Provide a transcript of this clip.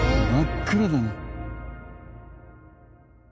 真っ暗だな。